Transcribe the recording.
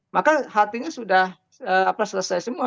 maka hatinya sudah selesai semua